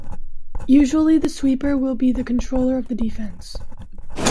Usually the sweeper will be the controller of the defence.